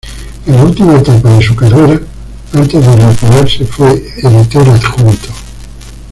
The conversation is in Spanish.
En la última etapa de su carrera antes de retirarse, fue editor adjunto.